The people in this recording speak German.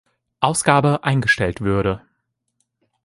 Ausgabe eingestellt würde.